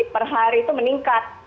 per hari itu meningkat